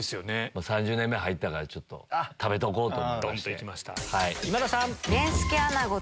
３０年目入ったから食べておこうと思って。